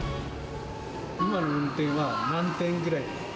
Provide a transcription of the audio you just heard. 今の運転は何点ぐらいですか？